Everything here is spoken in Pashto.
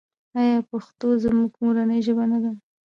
آیا پښتو زموږ مورنۍ ژبه نه ده؟